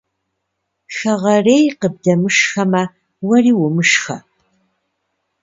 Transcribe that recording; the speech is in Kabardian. Хэгъэрейр къыбдэмышхэмэ, уэри умышхэ.